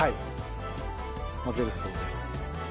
混ぜるそうで。